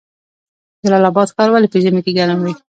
جلال اباد ښار ولې په ژمي کې ګرم وي؟